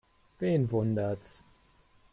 Wen wundert's?